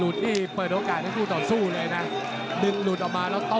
คู่นี้เป็นประเภทวงนอกพี่ปาง